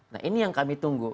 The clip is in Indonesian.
nah ini yang kami tunggu